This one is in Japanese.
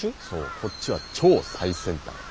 そうこっちは超最先端。